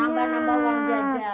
nambah nambah uang jajan